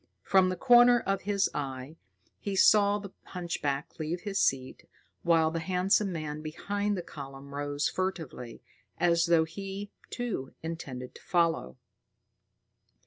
From the corner of his eye, he saw the hunchback leave his seat, while the handsome man behind the column rose furtively, as though he, too, intended to follow.